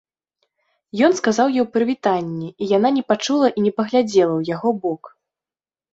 Ён сказаў ёй прывітанне, і яна не пачула і не паглядзела ў яго бок.